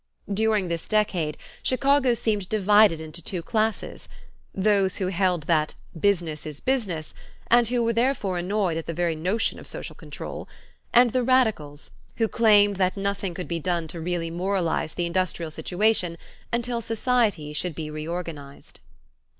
During this decade Chicago seemed divided into two classes; those who held that "business is business" and who were therefore annoyed at the very notion of social control, and the radicals, who claimed that nothing could be done to really moralize the industrial situation until society should be reorganized.